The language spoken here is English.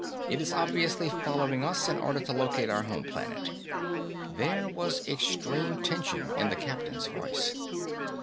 It is obviously following us in order to locate our home planet." There was extreme tension in the captain's voice.